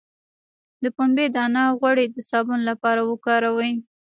د پنبې دانه غوړي د صابون لپاره وکاروئ